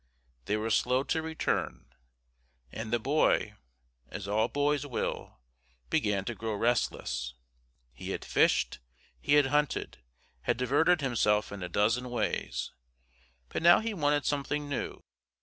They were slow to return, and the boy, as all boys will, began to grow restless. He had fished, he had hunted, had diverted himself in a dozen ways, but now he wanted something new.